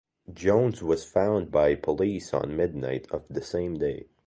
Jones was found by police on midnight of the same day.